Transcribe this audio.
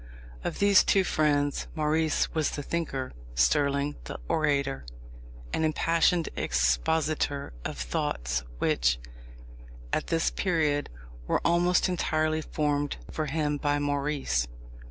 Of these two friends, Maurice was the thinker, Sterling the orator, and impassioned expositor of thoughts which, at this period, were almost entirely formed for him by Maurice.